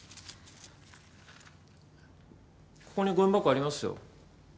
ここにごみ箱ありますよ。